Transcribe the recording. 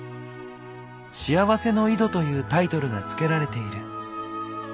「幸せの井戸」というタイトルが付けられている。